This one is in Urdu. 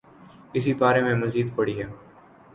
اسی بارے میں مزید پڑھیے